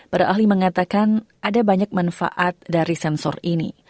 berahli mengatakan ada banyak manfaat dari sensor ini